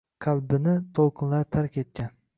Qalbingni to’lqinlar tark etgan